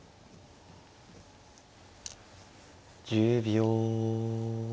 １０秒。